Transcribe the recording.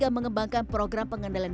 jangan lupa girikan ke theories